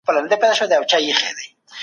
فابریکو د خلکو اړتیاوې پوره کړي.